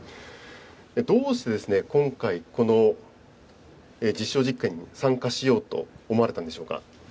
どうして今回、この実証実験に参加しようと思われたんでしょ